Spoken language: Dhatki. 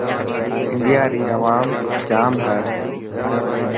انڊيا ري اوام جام هي.